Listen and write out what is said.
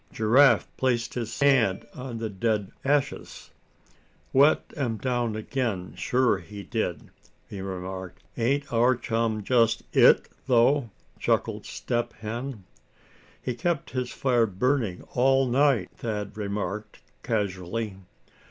Giraffe placed his hand on the dead ashes. "Wet 'em down again, sure he did," he remarked. "Ain't our chum just it though," chuckled Step Hen. "He kept his fire burning all night," Thad remarked, casually.